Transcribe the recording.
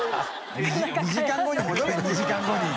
２時間後に戻れ２時間後に。